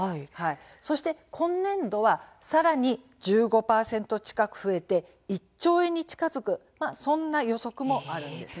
そして今年度はさらに１５％近く増えて１兆円に近づくという予測もあるんです。